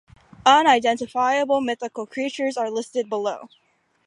Unidentifiable mythical creatures are listed below.